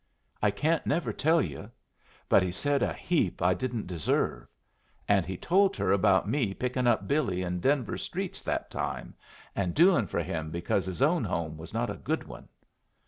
I can't never tell you but he said a heap I didn't deserve. And he told her about me picking up Billy in Denver streets that time, and doing for him because his own home was not a good one.